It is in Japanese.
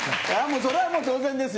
それは当然ですよ。